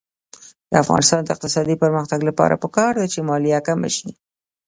د افغانستان د اقتصادي پرمختګ لپاره پکار ده چې مالیه کمه شي.